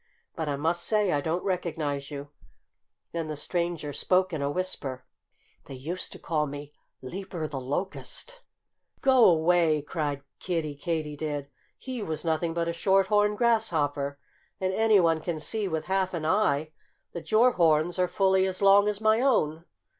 But I must say I don't recognize you." Then the stranger spoke in a whisper: "They used to call me 'Leaper the Locust'!" "Go 'way!" cried Kiddie Katydid. "He was nothing but a Short horned Grasshopper. And anyone can see with half an eye that your horns are fully as long as my own."